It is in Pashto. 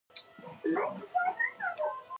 د موټر لاره ورته نه کېده او خلکو پر خرو بارونه ور وړل.